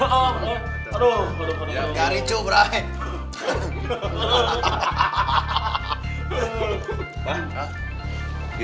ya gak ricu brahim